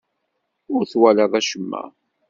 Ur twalaḍ acemma.